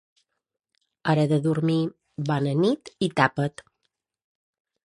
Hora de dormir bona nit i tapa't